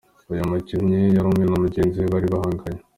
Uyu mukinnyi yarumwe na mugenzi we bari bahanganye.